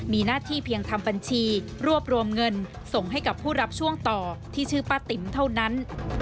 มีหน้าที่เพียงทำบัญชีรวบรวมเงินส่งให้กับผู้รับช่วงต่อที่ชื่อป้าติ๋มเท่านั้น